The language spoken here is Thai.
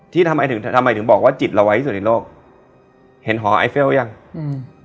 ทำไมถึงทำไมถึงบอกว่าจิตเราไวที่สุดในโลกเห็นหอไอเฟลยังอืม